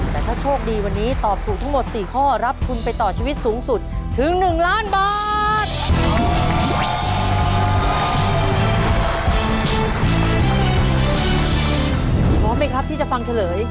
แต่ถ้าโชคดีวันนี้ตอบถูกทั้งหมด๔ข้อรับทุนไปต่อชีวิตสูงสุดถึง๑ล้านบาท